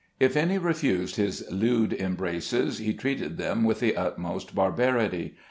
If any refused his lewd embraces, he treated them with the utmost barbarity.